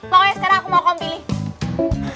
pokoknya sekarang aku mau kamu pilih